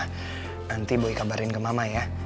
nanti boy kabarin ke mama ya